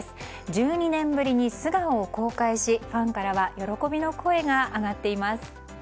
１２年ぶりに素顔を公開しファンからは喜びの声が上がっています。